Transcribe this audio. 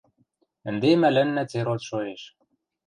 Ӹнде мӓлӓннӓ церот шоэш...